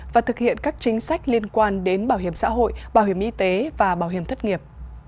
và thực hiện các chính sách liên quan đến bảo hiểm xã hội bảo hiểm y tế và bảo hiểm thất nghiệp